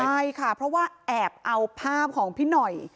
ใช่ค่ะเพราะว่าแอบเอาภาพของพี่หน่อย